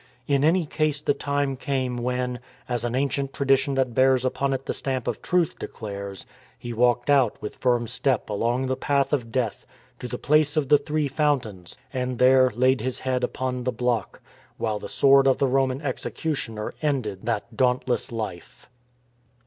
In any case the time came when, as an ancient tradition that bears upon it the stamp of truth declares, he walked out with firm step along the path of death to the place of the Three Fountains; and there laid his head upon the block, while the sword of the Roman executioner ended that dauntless life.